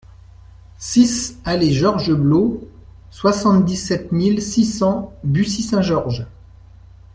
six allée Georges Blot, soixante-dix-sept mille six cents Bussy-Saint-Georges